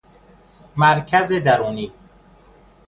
مرکز درونی